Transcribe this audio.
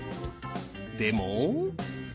でも。